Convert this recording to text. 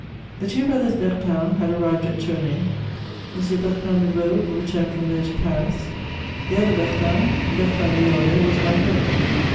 The two brothers Bertin had arrived at Tournay: M. Bertin de Vaux returned from there to Paris; the other Bertin, Bertin the Elder, was my friend.